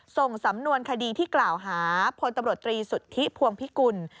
ส่งสำนวนคดีที่กล่าวหาพลตำรวจตรีสุทธิพวงพิกุล